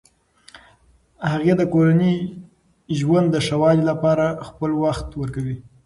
هغې د کورني ژوند د ښه والي لپاره خپل وخت ورکوي.